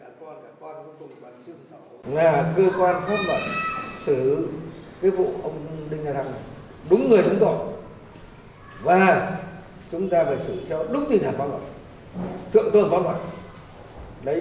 là cơ quan pháp luật xử cái vụ ông đinh nga thăng này